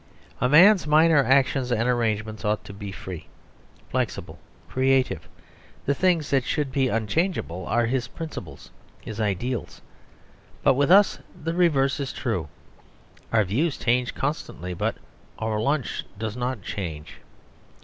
A man's minor actions and arrangements ought to be free, flexible, creative; the things that should be unchangeable are his principles, his ideals. But with us the reverse is true; our views change constantly; but our lunch does not change.